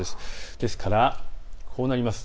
ですからこうなります。